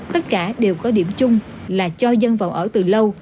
tất cả đều có điểm chung là cho dân vào ở từ lâu